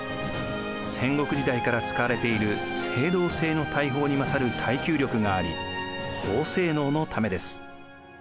戦国時代から使われている青銅製の大砲に勝る耐久力があり高性能のためです。